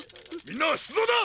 みんなしゅつどうだ！